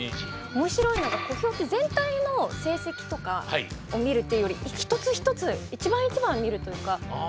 面白いのが小兵って全体の成績とかを見るっていうより一つ一つ一番一番見るというか優勝争いに。